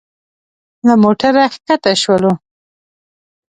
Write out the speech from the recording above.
له موټره ښکته شولو.